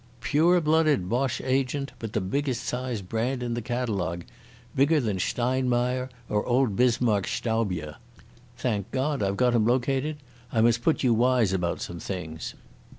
"Pure blooded Boche agent, but the biggest sized brand in the catalogue—bigger than Steinmeier or old Bismarck's Staubier. Thank God I've got him located.... I must put you wise about some things."